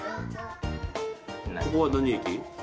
ここは何駅？